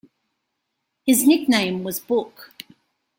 His nickname was "Book".